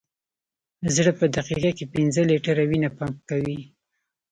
زړه په دقیقه کې پنځه لیټره وینه پمپ کوي.